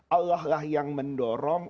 allah lah yang mendorong